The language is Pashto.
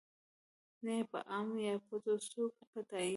نه ېې په عام یا پټو سترګو په تایید.